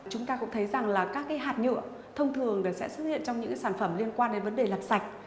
chúng ta cũng thấy rằng là các cái hạt nhựa thông thường sẽ xuất hiện trong những sản phẩm liên quan đến vấn đề làm sạch